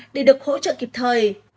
để được hỗ trợ kịp thời